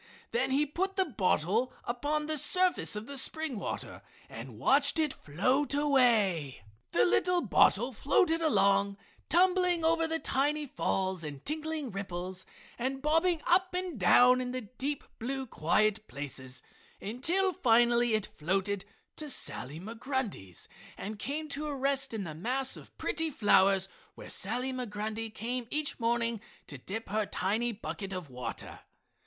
Then he put the bottle upon the surface of the spring water and watched it float away. The little bottle floated along, tumbling over the tiny falls and tinkling ripples and bobbing up and down in the deep, blue, quiet, places until finally it floated to Sally Migrundy's and came to rest in the mass of pretty flowers where Sally Migrundy came each morning to dip her tiny bucket of water.